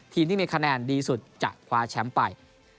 ที่มีคะแนนดีสุดจะคว้าแชมป์ไป